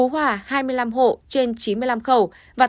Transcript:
phú hòa hai mươi năm hộ trên chín mươi năm khẩu